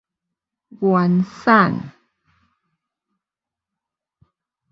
原產